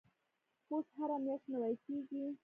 پوست هره میاشت نوي کیږي.